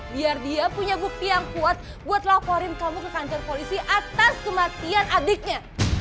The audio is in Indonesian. biar dia punya bukti yang kuat buat laporin kamu ke kantor polisi atas kematian adiknya